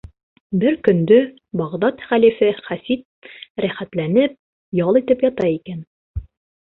Бер көндө Бағдад хәлифе Хәсид рәхәтләнеп ял итеп ята икән.